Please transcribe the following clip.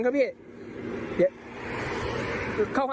พี่ครับ